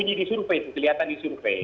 itu disurvei kelihatan disurvei